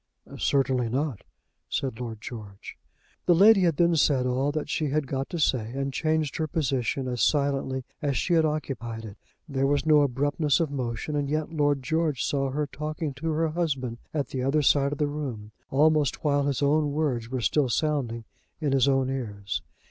"Certainly not," said Lord George. The lady had then said all that she had got to say, and changed her position as silently as she had occupied it. There was no abruptness of motion, and yet Lord George saw her talking to her husband at the other side of the room, almost while his own words were still sounding in his own ears.